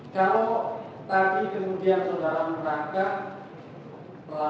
kalau tadi kemudian saudara berangkat